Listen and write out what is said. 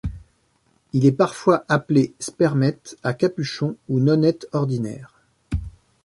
Il est parfois appelé Spermète à capuchon ou Nonnette ordinaire.